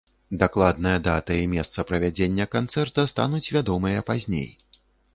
Дакладная дата і месца правядзення канцэрта стануць вядомыя пазней.